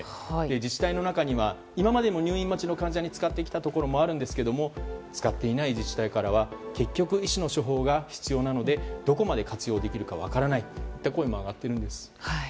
自治体の中には今までも入院待ちの患者に使ってきたところもあるんですが使っていない自治体からは結局、医師の処方が必要なのでどこまで活用できるか分からないといった声も上がっているんです。